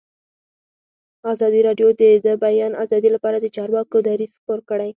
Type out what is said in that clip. ازادي راډیو د د بیان آزادي لپاره د چارواکو دریځ خپور کړی.